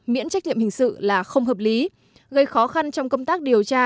miễn trách nhiệm hình sự là không hợp lý gây khó khăn trong công tác điều tra